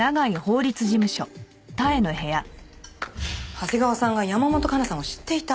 長谷川さんが山本香奈さんを知っていた？